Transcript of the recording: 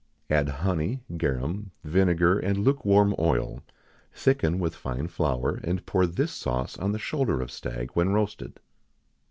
Add honey, garum, vinegar, and luke warm oil; thicken with fine flour, and pour this sauce on the shoulder of stag when roasted.